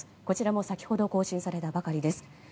こちらも先ほど更新されたばかりです。